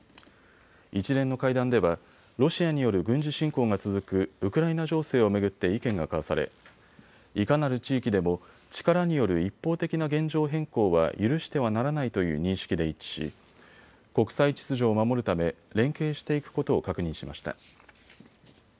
一連の会談ではロシアによる軍事侵攻が続くウクライナ情勢を巡って意見が交わされいかなる地域でも力による一方的な現状変更は許してはならないという認識で一致し、国際秩序を守るため連携していくことを確認しました。